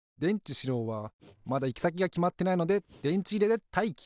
しろうはまだいきさきがきまってないのででんちいれでたいき！